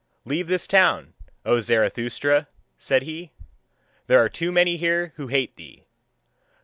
"Leave this town, O Zarathustra," said he, "there are too many here who hate thee.